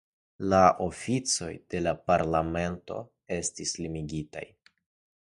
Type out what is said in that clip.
La oficoj de la parlamento estis limigitaj.